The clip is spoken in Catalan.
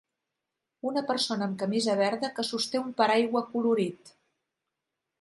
Una persona amb camisa verda que sosté un paraigua colorit.